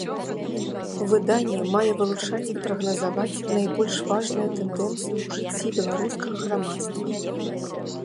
Выданне мае вылучаць і прагназаваць найбольш важныя тэндэнцыі ў жыцці беларускага грамадства.